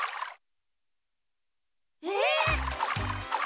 えっ！？